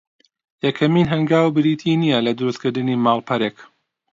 یەکەمین هەنگاو بریتی نییە لە درووست کردنی ماڵپەڕێک